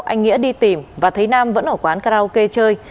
anh nghĩa đi tìm và thấy nam vẫn ở quán karaoke chơi